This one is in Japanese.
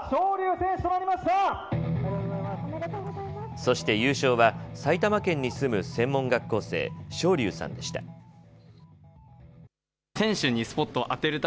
そして優勝は埼玉県に住む専門学校生、ｓｙｏｕｒｙｕさんでした。